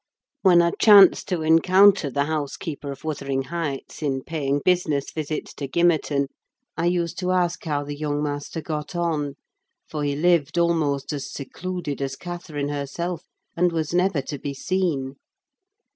When I chanced to encounter the housekeeper of Wuthering Heights, in paying business visits to Gimmerton, I used to ask how the young master got on; for he lived almost as secluded as Catherine herself, and was never to be seen.